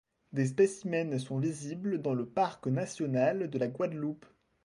Des spécimens sont visibles dans le parc national de la Guadeloupe.